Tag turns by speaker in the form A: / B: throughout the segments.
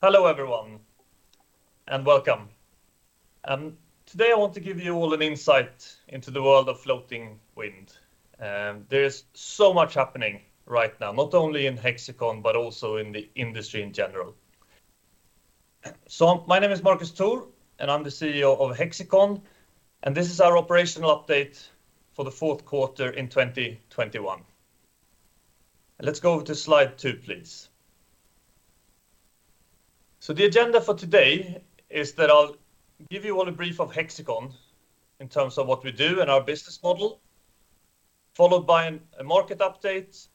A: Hello, everyone, and welcome. Today, I want to give you all an insight into the world of floating wind. There is so much happening right now, not only in Hexicon, but also in the industry in general. My name is Marcus Thor, and I'm the CEO of Hexicon, and this is our operational update for the fourth quarter in 2021. Let's go to slide two, please. The agenda for today is that I'll give you all a brief of Hexicon in terms of what we do and our business model, followed by a market update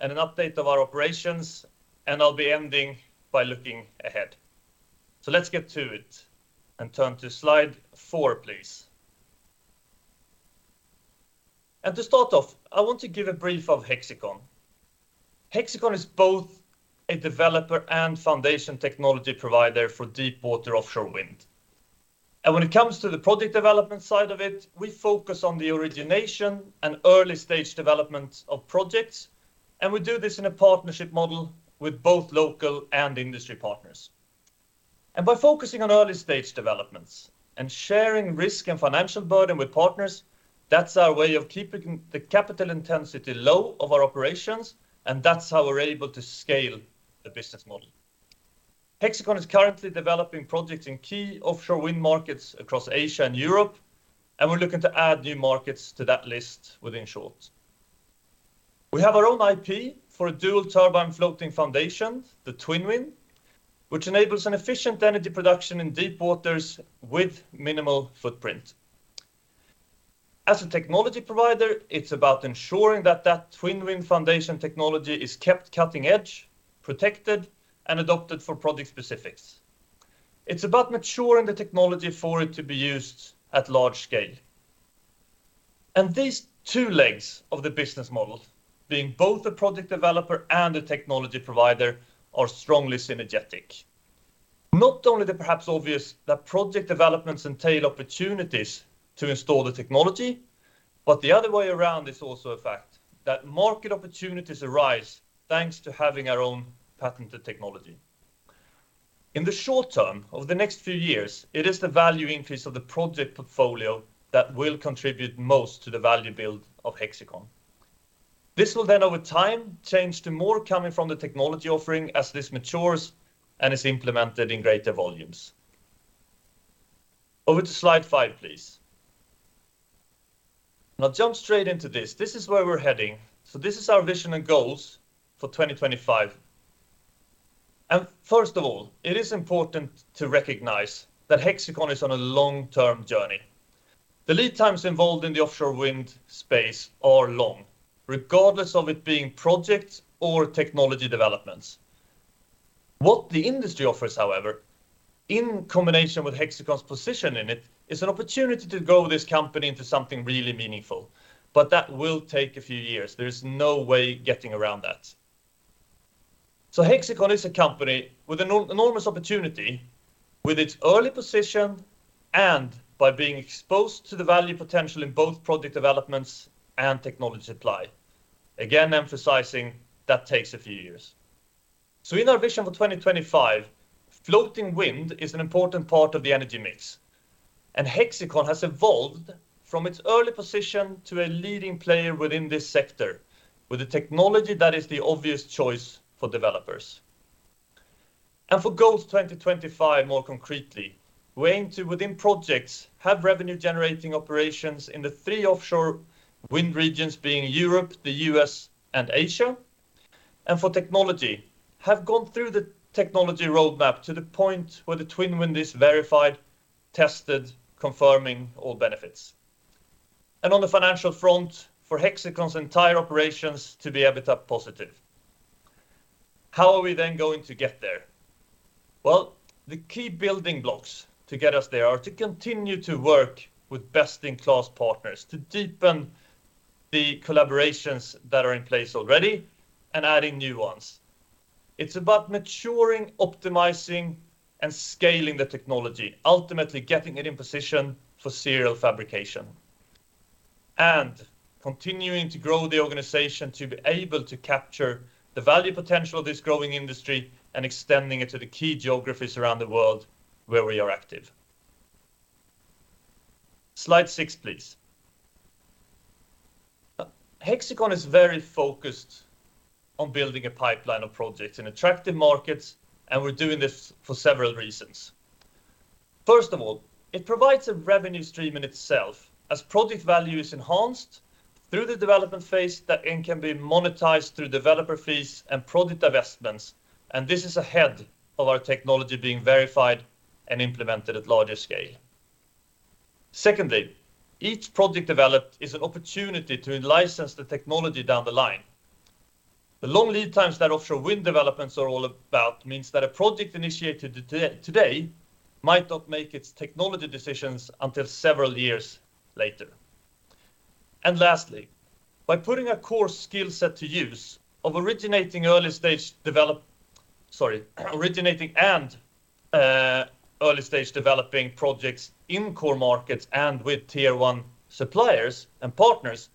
A: and an update of our operations, and I'll be ending by looking ahead. Let's get to it and turn to slide four, please. To start off, I want to give a brief of Hexicon. Hexicon is both a developer and foundation technology provider for deep-water offshore wind. When it comes to the project development side of it, we focus on the origination and early stage development of projects, and we do this in a partnership model with both local and industry partners. By focusing on early stage developments and sharing risk and financial burden with partners, that's our way of keeping the capital intensity low of our operations, and that's how we're able to scale the business model. Hexicon is currently developing projects in key offshore wind markets across Asia and Europe, and we're looking to add new markets to that list in the short term. We have our own IP for a dual turbine floating foundation, the TwinWind, which enables an efficient energy production in deep water with a minimal footprint. As a technology provider, it's about ensuring that that TwinWind foundation technology is kept cutting-edge, protected, and adopted for project specifics. It's about maturing the technology for it to be used at large scale. These two legs of the business model, being both a project developer and a technology provider, are strongly synergetic. Not only the perhaps obvious that project developments entail opportunities to install the technology, but the other way around is also a fact that market opportunities arise, thanks to having our own patented technology. In the short term, over the next few years, it is the value increase of the project portfolio that will contribute most to the value build of Hexicon. This will then over time change to more coming from the technology offering as this matures and is implemented in greater volumes. Over to slide five, please. Now, jump straight into this. This is where we're heading. This is our vision and goals for 2025. First of all, it is important to recognize that Hexicon is on a long-term journey. The lead times involved in the offshore wind space are long, regardless of it being projects or technology developments. What the industry offers, however, in combination with Hexicon's position in it, is an opportunity to grow this company into something really meaningful. That will take a few years. There's no way getting around that. Hexicon is a company with an enormous opportunity with its early position and by being exposed to the value potential in both project developments and technology supply. Again, emphasizing that takes a few years. In our vision for 2025, floating wind is an important part of the energy mix. Hexicon has evolved from its early position to a leading player within this sector with a technology that is the obvious choice for developers. For goals 2025, more concretely, we aim to, within projects, have revenue-generating operations in the three offshore wind regions being Europe, the U.S., and Asia. For technology, have gone through the technology roadmap to the point where the TwinWind is verified, tested, confirming all benefits. On the financial front, for Hexicon's entire operations to be EBITDA-positive. How are we then going to get there? Well, the key building blocks to get us there are to continue to work with best-in-class partners to deepen the collaborations that are in place already and adding new ones. It's about maturing, optimizing, and scaling the technology, ultimately getting it in position for serial fabrication, and continuing to grow the organization to be able to capture the value potential of this growing industry and extending it to the key geographies around the world where we are active. Slide 6, please. Hexicon is very focused on building a pipeline of projects in attractive markets, and we're doing this for several reasons. First of all, it provides a revenue stream in itself as project value is enhanced through the development phase that then can be monetized through developer fees and project investments, and this is ahead of our technology being verified and implemented at larger scale. Secondly, each project developed is an opportunity to license the technology down the line. The long lead times that offshore wind developments are all about means that a project initiated today might not make its technology decisions until several years later. Lastly, by putting a core skill set to use of originating early-stage developing projects in core markets and with tier-one suppliers and partners,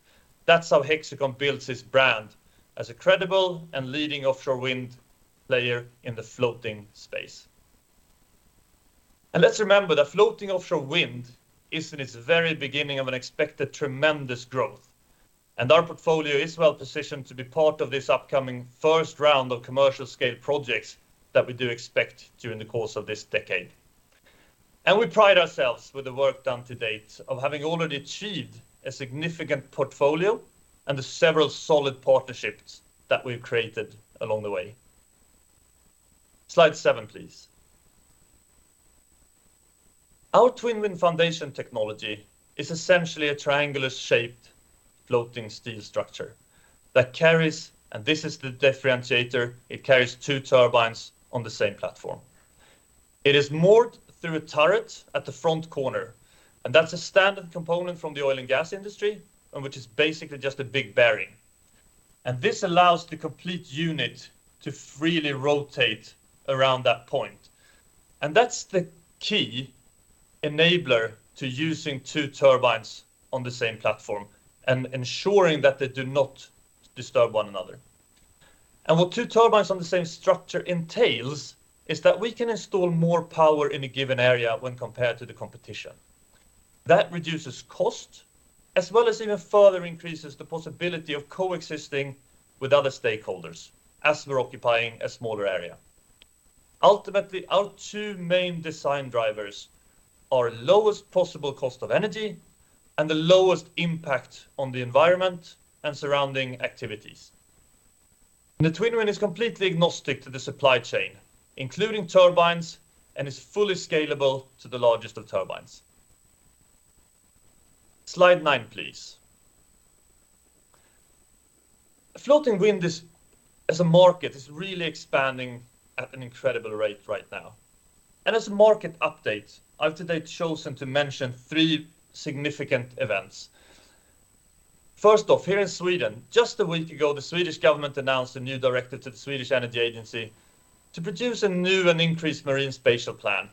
A: that's how Hexicon builds its brand as a credible and leading offshore wind player in the floating space. Let's remember that floating offshore wind is in its very beginning of an expected tremendous growth, and our portfolio is well-positioned to be part of this upcoming first round of commercial-scale projects that we do expect during the course of this decade. We pride ourselves with the work done to date of having already achieved a significant portfolio and the several solid partnerships that we've created along the way. Slide seven, please. Our TwinWind foundation technology is essentially a triangular-shaped floating steel structure that carries, and this is the differentiator, it carries two turbines on the same platform. It is moored through a turret at the front corner, and that's a standard component from the oil and gas industry, and which is basically just a big bearing. This allows the complete unit to freely rotate around that point. That's the key enabler to using two turbines on the same platform and ensuring that they do not disturb one another. What two turbines on the same structure entails is that we can install more power in a given area when compared to the competition. That reduces cost, as well as even further increases the possibility of coexisting with other stakeholders as we're occupying a smaller area. Ultimately, our two main design drivers are the lowest possible cost of energy and the lowest impact on the environment and surrounding activities. The TwinWind is completely agnostic to the supply chain, including turbines, and is fully scalable to the largest of turbines. Slide 9, please. Floating wind, as a market, is really expanding at an incredible rate right now. As a market update, I've today chosen to mention three significant events. First off, here in Sweden, just a week ago, the Swedish government announced a new directive to the Swedish Energy Agency to produce a new and increased marine spatial plan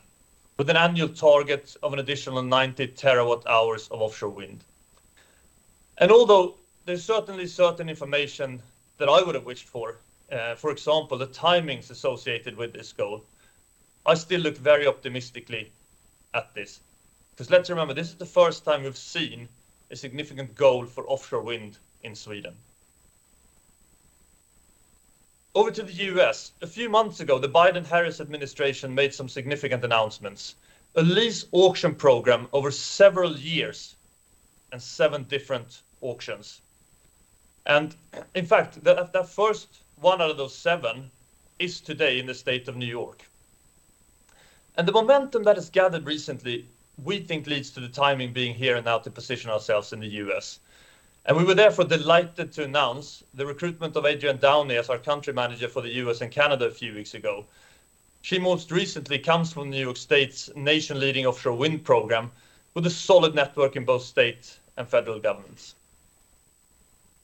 A: with an annual target of an additional 90 terawatt-hour of offshore wind. Although there's certainly certain information that I would have wished for example, the timings associated with this goal, I still look very optimistically at this. Because let's remember, this is the first time we've seen a significant goal for offshore wind in Sweden. Over to the U.S. A few months ago, the Biden-Harris Administration made some significant announcements. A lease auction program over several years and seven different auctions. In fact, the first one out of those seven is today in the state of New York. The momentum that has gathered recently, we think leads to the timing being here and now to position ourselves in the U.S. We were therefore delighted to announce the recruitment of Adrienne Downey as our country manager for the U.S. and Canada a few weeks ago. She most recently comes from New York State's nation's leading offshore wind program with a solid network in both state and federal governments.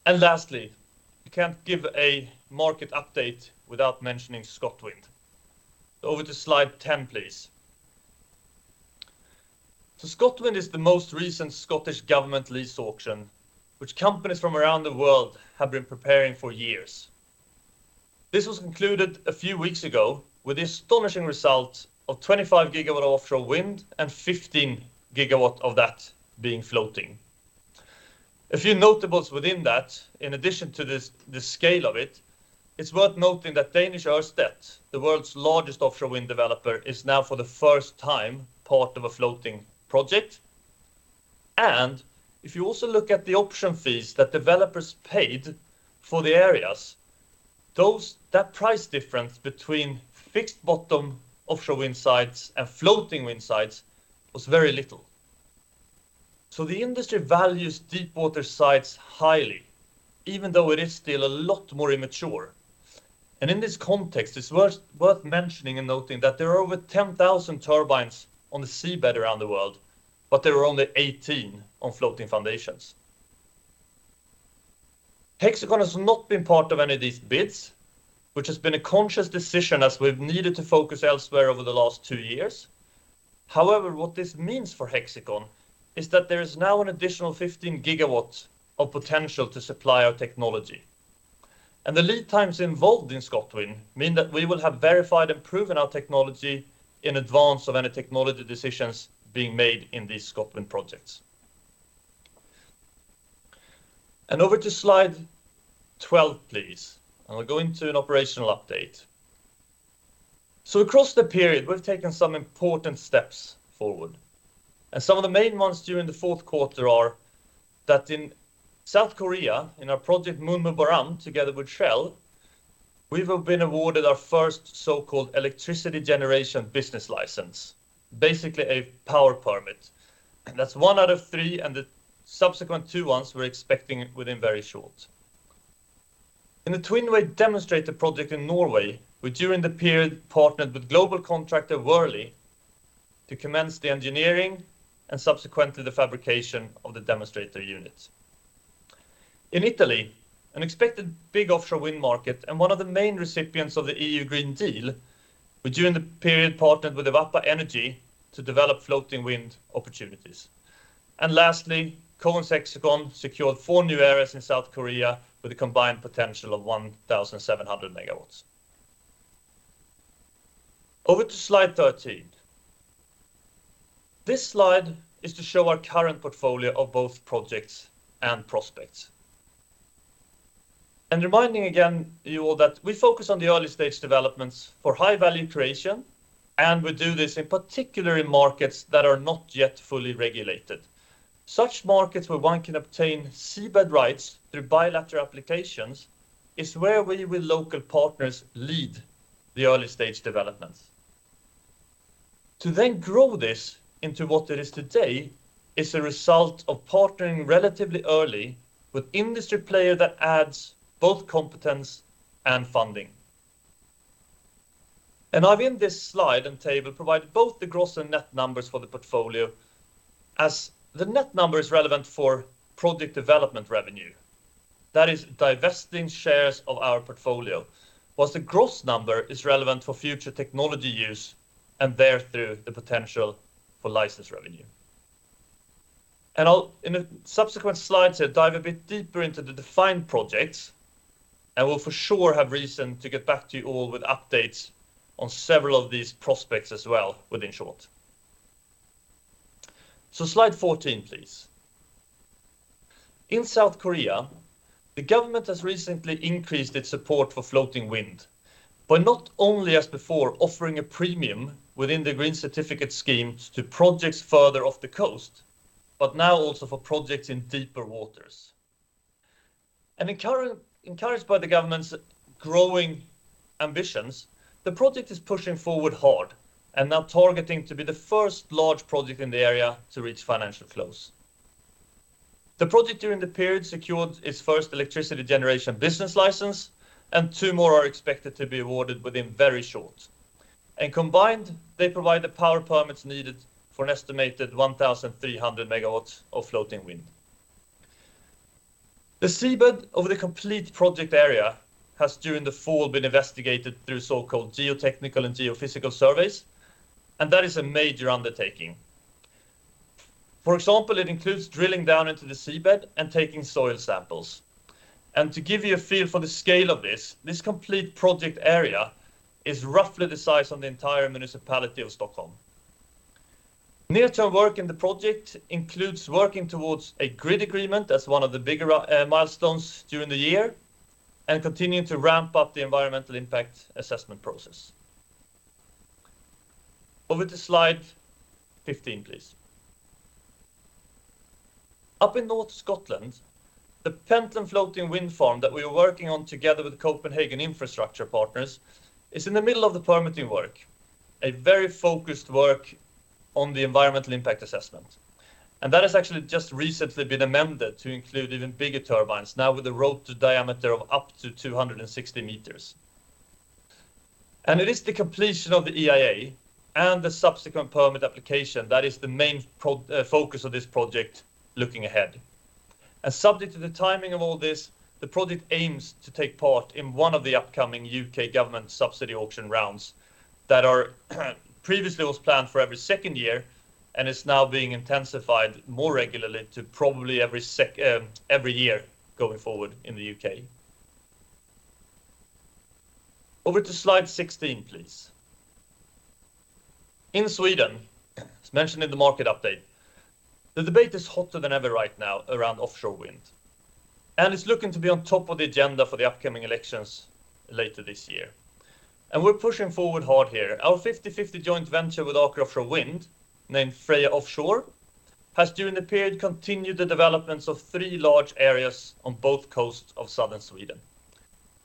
A: Lastly, you can't give a market update without mentioning ScotWind. Over to slide 10, please. ScotWind is the most recent Scottish government lease auction, which companies from around the world have been preparing for years. This was concluded a few weeks ago with the astonishing result of 25 GW of offshore wind and 15 GW of that being floating. A few notables within that, in addition to this, the scale of it's worth noting that Danish Ørsted, the world's largest offshore wind developer, is now for the first time, part of a floating project. If you also look at the auction fees that developers paid for the areas, that price difference between fixed-bottom offshore wind sites and floating wind sites was very little. The industry values deep-water sites highly, even though it is still a lot more immature. In this context, it's worth mentioning and noting that there are over 10,000 turbines on the seabed around the world, but there are only 18 on floating foundations. Hexicon has not been part of any of these bids, which has been a conscious decision as we've needed to focus elsewhere over the last two years. However, what this means for Hexicon is that there is now an additional 15 gigawatts of potential to supply our technology. The lead times involved in ScotWind mean that we will have verified and proven our technology in advance of any technology decisions being made in these ScotWind projects. Over to slide 12, please. We're going to an operational update. Across the period, we've taken some important steps forward, and some of the main ones during the fourth quarter are that in South Korea, in our project MunmuBaram, together with Shell, we have been awarded our first so-called electricity generation business license, basically a power permit. That's one out of three, and the subsequent two ones we're expecting within very short. In the TwinWay demonstrator project in Norway, we, during the period, partnered with global contractor Worley to commence the engineering and subsequently the fabrication of the demonstrator unit. In Italy, an expected big offshore wind market and one of the main recipients of the EU Green Deal, we, during the period, partnered with Avapa Energy to develop floating wind opportunities. Lastly, CoensHexicon secured four new areas in South Korea with a combined potential of 1,700 MW. Over to slide 13. This slide is to show our current portfolio of both projects and prospects. Reminding again you all that we focus on the early-stage developments for high value creation, and we do this in particular in markets that are not yet fully regulated. Such markets where one can obtain seabed rights through bilateral applications is where we with local partners lead the early stage developments. To then grow this into what it is today is a result of partnering relatively early with industry players that adds both competence and funding. I've in this slide and table provided both the gross and net numbers for the portfolio as the net number is relevant for project development revenue. That is, divesting shares of our portfolio, while the gross number is relevant for future technology use and thereto the potential for license revenue. I'll, in the subsequent slides, dive a bit deeper into the defined projects, and we'll for sure have reason to get back to you all with updates on several of these prospects as well within short. Slide 14, please. In South Korea, the government has recently increased its support for floating wind, by not only as before offering a premium within the green certificate scheme to projects further off the coast, but now also for projects in deeper waters. Encouraged by the government's growing ambitions, the project is pushing forward hard and now targeting to be the first large project in the area to reach financial close. The project during the period secured its first electricity generation business license, and two more are expected to be awarded within very short. Combined, they provide the power permits needed for an estimated 1,300 MW of floating wind. The seabed over the complete project area has during the fall been investigated through so-called geotechnical and geophysical surveys, and that is a major undertaking. For example, it includes drilling down into the seabed and taking soil samples. To give you a feel for the scale of this complete project area is roughly the size of the entire municipality of Stockholm. Near-term work in the project includes working towards a grid agreement as one of the bigger milestones during the year and continuing to ramp up the environmental impact assessment process. Over to slide 15, please. Up in North Scotland, the Pentland floating wind farm that we are working on together with Copenhagen Infrastructure Partners is in the middle of the permitting work, a very focused work on the environmental impact assessment. That has actually just recently been amended to include even bigger turbines, now with a rotor diameter of up to 260 meters. It is the completion of the EIA and the subsequent permit application that is the main focus of this project looking ahead. Subject to the timing of all this, the project aims to take part in one of the upcoming U.K. government subsidy auction rounds that are, previously was planned for every second year and is now being intensified more regularly to probably every year going forward in the U.K. Over to slide 16, please. In Sweden, as mentioned in the market update, the debate is hotter than ever right now around offshore wind, and it's looking to be on top of the agenda for the upcoming elections later this year. We're pushing forward hard here. Our 50/50 joint venture with Aker Offshore Wind, named Freja Offshore, has during the period continued the developments of three large areas on both coasts of southern Sweden.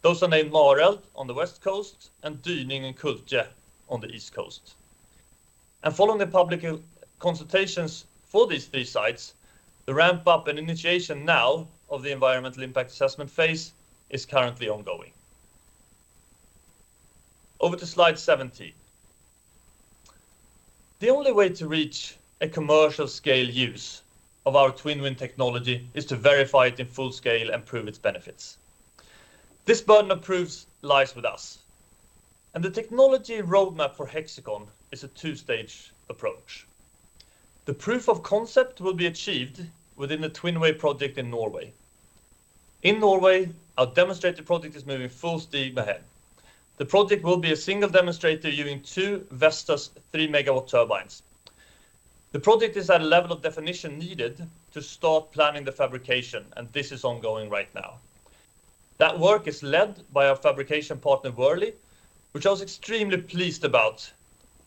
A: Those are named Mareld on the west coast and Dyning and Kultje on the east coast. Following the public consultations for these three sites, the ramp-up and initiation now of the environmental impact assessment phase is currently ongoing. Over to slide 17. The only way to reach a commercial-scale use of our TwinWind technology is to verify it in full scale and prove its benefits. This burden of proofs lies with us. The technology roadmap for Hexicon is a two-stage approach. The proof of concept will be achieved within the TwinWay project in Norway. In Norway, our demonstrated project is moving full steam ahead. The project will be a single demonstrator using two Vestas 3-MW turbines. The project is at a level of definition needed to start planning the fabrication, and this is ongoing right now. That work is led by our fabrication partner, Worley, which I was extremely pleased about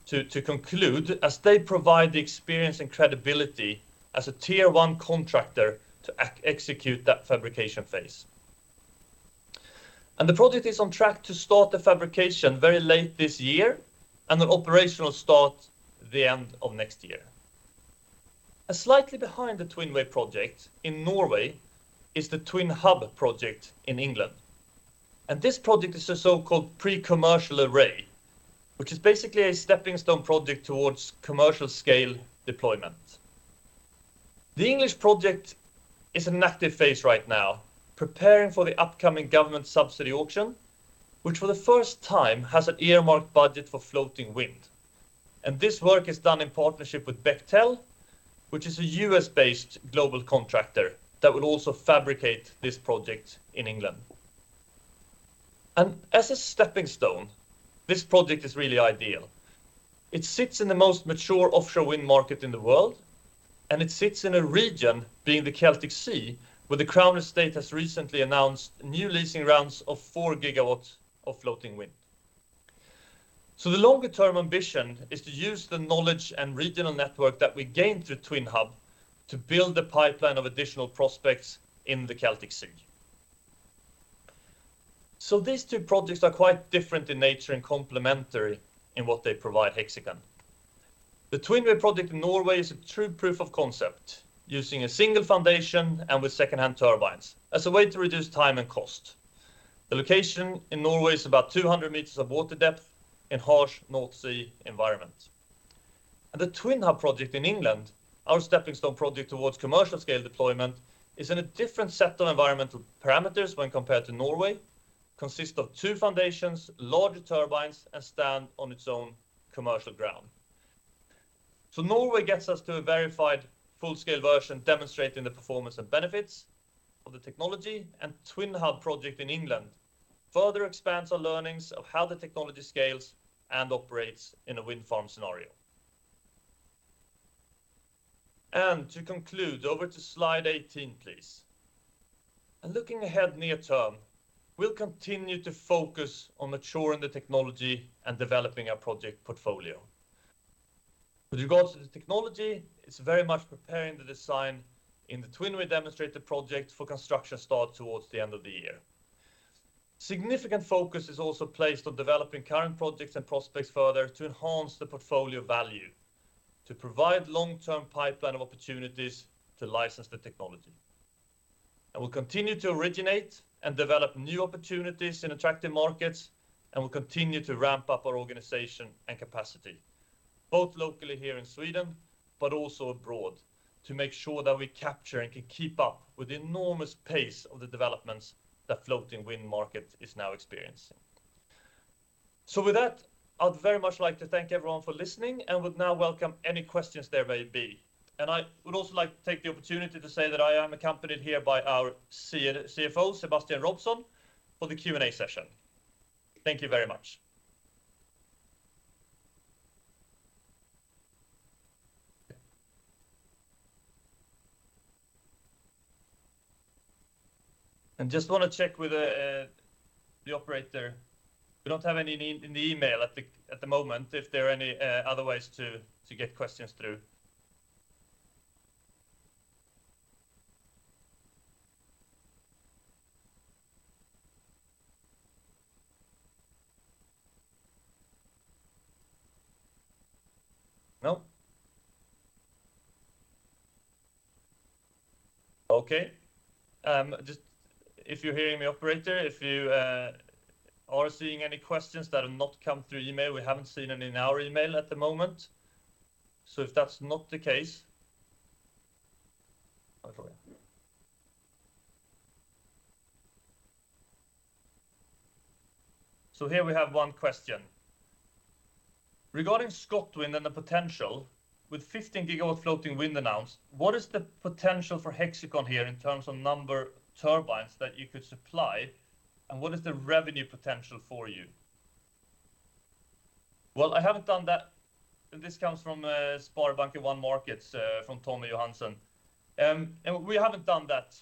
A: to conclude, as they provide the experience and credibility as a tier-one contractor to execute that fabrication phase. The project is on track to start the fabrication very late this year, and the operational start at the end of next year. Slightly behind the TwinWay project in Norway is the TwinHub project in England. This project is a so-called pre-commercial array, which is basically a steppingstone project towards commercial-scale deployment. The English project is in active phase right now, preparing for the upcoming government subsidy auction, which for the first time has an earmarked budget for floating wind. This work is done in partnership with Bechtel, which is a U.S.-based global contractor that will also fabricate this project in England. As a steppingstone, this project is really ideal. It sits in the most mature offshore wind market in the world, and it sits in a region, being the Celtic Sea, where The Crown Estate has recently announced new leasing rounds of 4 GW of floating wind. The longer term ambition is to use the knowledge and regional network that we gained through TwinHub to build a pipeline of additional prospects in the Celtic Sea. These two projects are quite different in nature and complementary in what they provide Hexicon. The TwinWay project in Norway is a true proof of concept, using a single foundation and with secondhand turbines as a way to reduce time and cost. The location in Norway is about 200 meters of water depth in harsh North Sea environment. The TwinHub project in the U.K., our steppingstone project towards commercial scale deployment, is in a different set of environmental parameters when compared to Norway, consist of two foundations, larger turbines, and stand on its own commercial ground. Norway gets us to a verified full-scale version demonstrating the performance and benefits of the technology, and TwinHub project in England further expands our learnings of how the technology scales and operates in a wind farm scenario. To conclude, over to slide 18, please. Looking ahead near term, we'll continue to focus on maturing the technology and developing our project portfolio. With regards to the technology, it's very much preparing the design in the TwinWay demonstrator project for construction start towards the end of the year. Significant focus is also placed on developing current projects and prospects further to enhance the portfolio value, to provide a long-term pipeline of opportunities to license the technology. We'll continue to originate and develop new opportunities in attractive markets, and we'll continue to ramp up our organization and capacity, both locally here in Sweden, but also abroad, to make sure that we capture and can keep up with the enormous pace of the developments that floating wind market is now experiencing. With that, I'd very much like to thank everyone for listening and would now welcome any questions there may be. I would also like to take the opportunity to say that I am accompanied here by our CFO, Anders Rössel, for the Q&A session. Thank you very much. Just wanna check with the operator. We don't have any in the email at the moment, if there are any other ways to get questions through. No? Okay. Just if you're hearing me, operator, if you are seeing any questions that have not come through email, we haven't seen any in our email at the moment. If that's not the case, here we have one question. Regarding ScotWind and the potential with 15 GW floating wind announced, what is the potential for Hexicon here in terms of number of turbines that you could supply, and what is the revenue potential for you? Well, I haven't done that. This comes from SpareBank 1 Markets, from Tommy Johansen. We haven't done that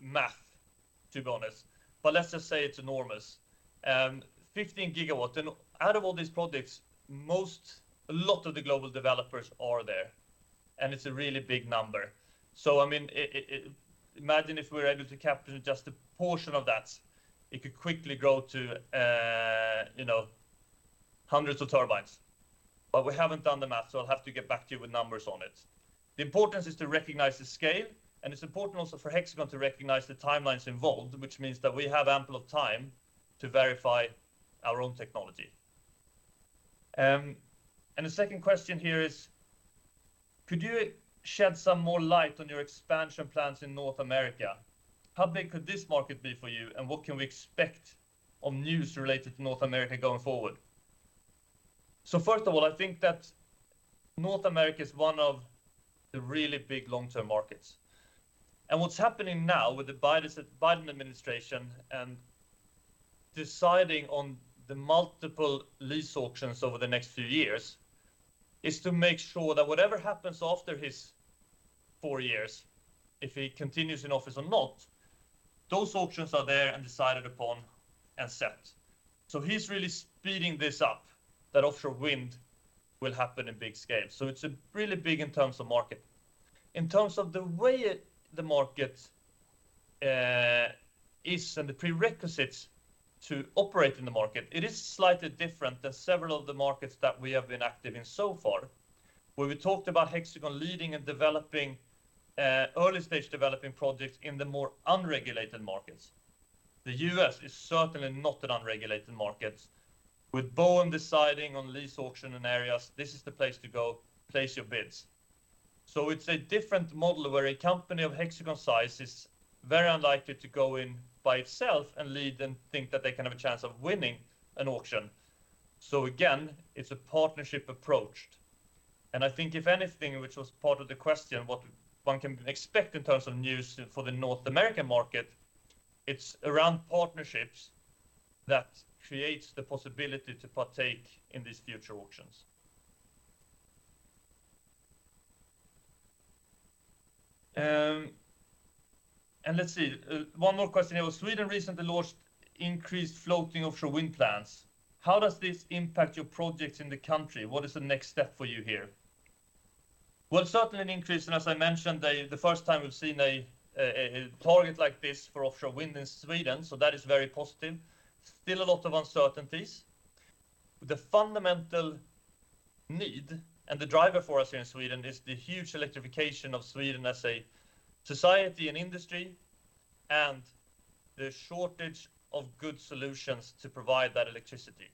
A: math, to be honest. Let's just say it's enormous. 15 GW. Out of all these projects, most, a lot of the global developers are there, and it's a really big number. I mean, imagine if we're able to capture just a portion of that, it could quickly grow to, you know, hundreds of turbines. We haven't done the math, so I'll have to get back to you with numbers on it. The importance is to recognize the scale, and it's important also for Hexicon to recognize the timelines involved, which means that we have ample time to verify our own technology. The second question here is, could you shed some more light on your expansion plans in North America? How big could this market be for you, and what can we expect on news related to North America going forward? First of all, I think that North America is one of the really big long-term markets. What's happening now with the Biden-Harris administration and deciding on the multiple lease auctions over the next few years, is to make sure that whatever happens after his four years, if he continues in office or not, those auctions are there and decided upon and set. He's really speeding this up, that offshore wind will happen in big scale. It's really big in terms of market. In terms of the way the market is and the prerequisites to operate in the market, it is slightly different than several of the markets that we have been active in so far, where we talked about Hexicon leading and developing early-stage developing projects in the more unregulated markets. The U.S. is certainly not an unregulated market. With BOEM deciding on lease auction and areas, this is the place to go, place your bids. It's a different model where a company of Hexicon size is very unlikely to go in by itself and lead and think that they can have a chance of winning an auction. Again, it's a partnership approach. I think if anything, which was part of the question, what one can expect in terms of news for the North American market, it's around partnerships that creates the possibility to partake in these future auctions. Let's see, one more question here. Sweden recently launched increased floating offshore wind plans. How does this impact your projects in the country? What is the next step for you here? Well, certainly an increase, and as I mentioned, the first time we've seen a target like this for offshore wind in Sweden, so that is very positive. Still a lot of uncertainties. The fundamental need and the driver for us here in Sweden is the huge electrification of Sweden as a society and industry, and the shortage of good solutions to provide that electricity.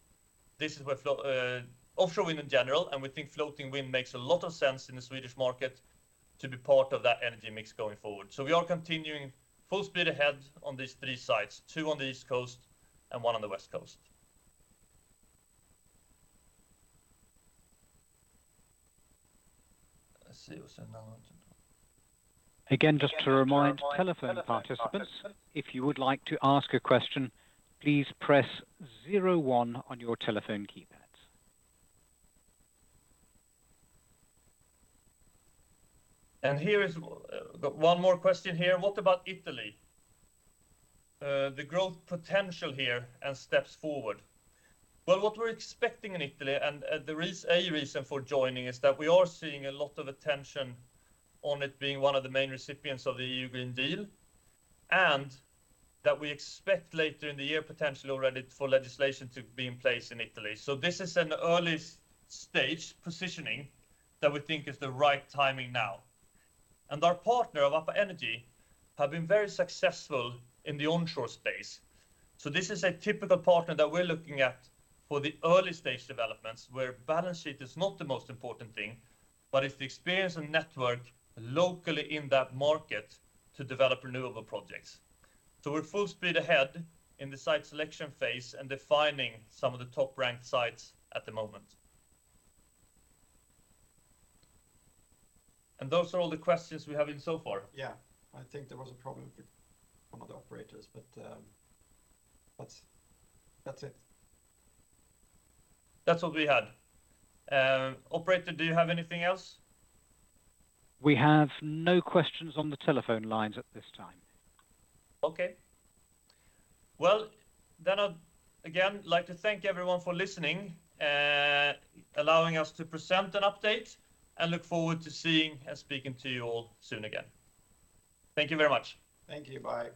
A: This is where offshore wind in general, and we think floating wind makes a lot of sense in the Swedish market to be part of that energy mix going forward. We are continuing full speed ahead on these three sites, two on the east coast and one on the west coast.
B: Let's see what's in now. Again, just to remind telephone participants, if you would like to ask a question, please press zero one on your telephone keypads.
A: Here is one more question here. What about Italy? The growth potential here and steps forward. Well, what we're expecting in Italy, and there is a reason for joining, is that we are seeing a lot of attention on it being one of the main recipients of the European Green Deal, and that we expect later in the year potentially already for legislation to be in place in Italy. This is an early-stage positioning that we think is the right timing now. Our partner of Avapa Energy have been very successful in the onshore space. This is a typical partner that we're looking at for the early-stage developments, where balance sheet is not the most important thing, but it's the experience and network locally in that market to develop renewable projects. We're full speed ahead in the site selection phase and defining some of the top-ranked sites at the moment. Those are all the questions we have in so far.
B: Yeah. I think there was a problem with some of the operators, but that's it.
A: That's what we had. Operator, do you have anything else?
B: We have no questions on the telephone lines at this time.
A: Okay. Well, I'd again like to thank everyone for listening, allowing us to present an update, and look forward to seeing and speaking to you all soon again. Thank you very much.
B: Thank you. Bye.